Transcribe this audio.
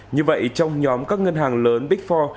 như vậy trong nhóm các ngân hàng lớn big four